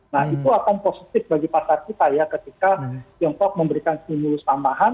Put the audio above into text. nah itu akan positif bagi pasar kita ya ketika tiongkok memberikan stimulus tambahan